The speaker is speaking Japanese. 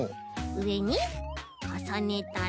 うえにかさねたら。